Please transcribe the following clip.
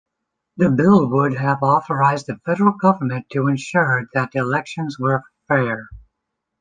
The bill would have authorized the federal government to ensure that elections were fair.